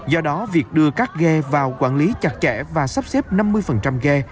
do đó việc đưa các ghe vào quản lý chặt chẽ và sắp xếp năm mươi ghe